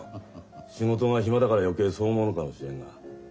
仕事が暇だから余計そう思うのかもしれんが。